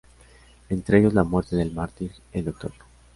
Entre ellos la muerte del mártir, el Dr.